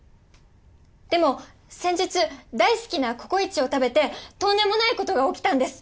でも先日大好きなココイチを食べてとんでもないことが起きたんです。